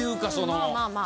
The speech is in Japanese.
まあまあまあ。